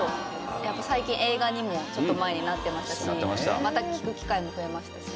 やっぱり最近映画にもちょっと前になってましたしまた聴く機会も増えましたし。